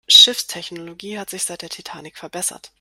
Schiffstechnologie hat sich seit der Titanic verbessert.